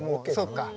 そうか。